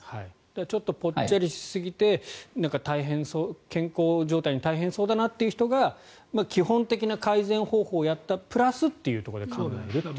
ちょっとぽっちゃりしすぎて健康状態に大変そうだなという人が基本的な改善方法をやった、プラスというところで考えるという。